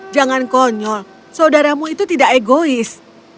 jangan konyol saudaramu itu tidak egois